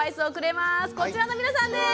こちらの皆さんです！